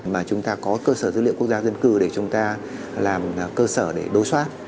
là có cơ sở dữ liệu quốc gia dân cư để chúng ta làm cơ sở để đối soát